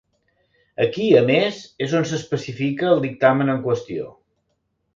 Aquí, a més, és on s'especifica el dictamen en qüestió.